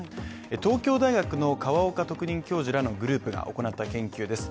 東京大学の河岡特任教授らのグループが行った研究です。